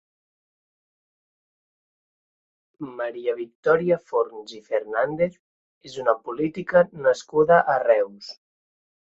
Maria Victòria Forns i Fernández és una política nascuda a Reus.